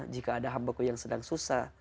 jika ada hambaku yang sedang susah